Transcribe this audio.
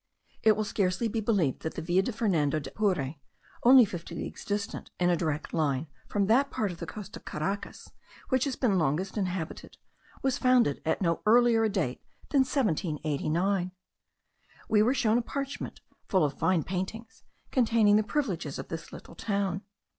It will scarcely be believed, that the Villa de Fernando de Apure, only fifty leagues distant in a direct line from that part of the coast of Caracas which has been longest inhabited, was founded at no earlier a date than 1789. We were shown a parchment, full of fine paintings, containing the privileges of this little town.